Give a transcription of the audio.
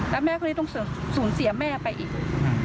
แล้วแม่คนนี้ต้องศูนย์เสียแม่ไปอีก